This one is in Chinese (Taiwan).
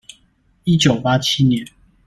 一九八七年